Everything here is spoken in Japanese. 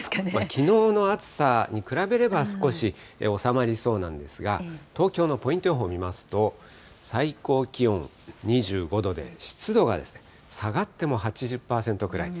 きのうの暑さに比べれば、少し収まりそうなんですが、東京のポイント予報見ますと、最高気温２５度で、湿度が下がっても８０％くらい。